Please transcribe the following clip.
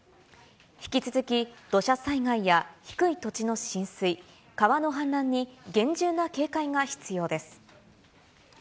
引き続き土砂災害や低い土地の浸水、川の氾濫に厳重な警戒が必要です。